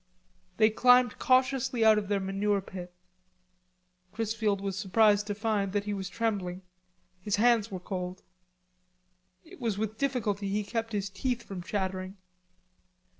They climbed cautiously out of their manure pit. Chrisfield was surprised to find that he was trembling. His hands were cold. It was with difficulty he kept his teeth from chattering.